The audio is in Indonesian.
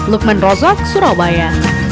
lukman rozak surabaya